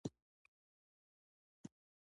ډېر خلک د پوهې ترلاسه کولو لپاره پېچلې لار خپلوي.